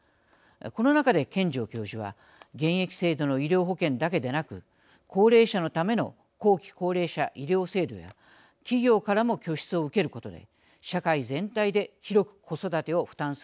この中で権丈教授は現役制度の医療保険だけでなく高齢者のための後期高齢者医療制度や企業からも拠出を受けることで社会全体で広く子育てを負担する仕組みができる。